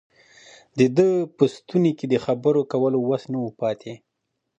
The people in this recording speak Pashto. د ده په ستوني کې د خبرو کولو وس نه و پاتې.